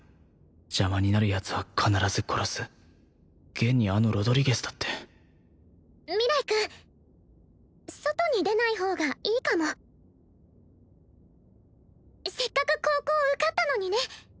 邪魔になるヤツは必ず殺す現にあのロドリゲスだって明日君外に出ない方がいいかもせっかく高校受かったのにね